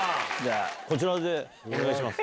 こちらでお願いします。